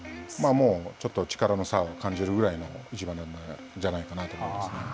ちょっと力の差を感じるぐらいの、一番じゃないかなと思うんですよね。